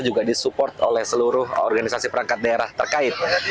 juga disupport oleh seluruh organisasi perangkat daerah terkait